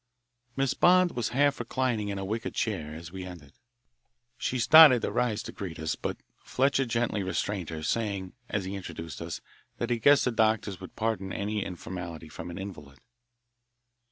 Miss Bond was half reclining in a wicker chair us we entered. She started to rise to greet us, but Fletcher gently restrained her, saying, as he introduced us, that he guessed the doctors would pardon any informality from an invalid.